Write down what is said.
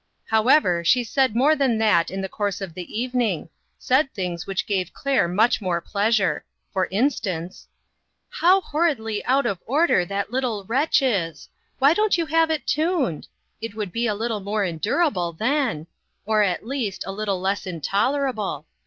However, she said more than that in the course of the evening ; said things which gave Claire much more pleasure. For in stance : "How horridly out of order that little 226 INTERRUPTED. wretch is! Why don't you have it tuned? It would be a little more endurable then ; or, at least, a little less intolerable.